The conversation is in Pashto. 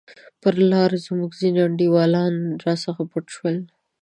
پر لار زموږ ځیني انډیوالان راڅخه پټ شول.